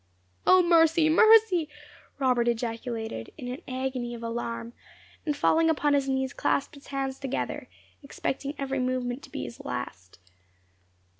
"O mercy! mercy!" Robert ejaculated, in an agony of alarm, and falling upon his knees clasped his hands together, expecting every moment to be his last.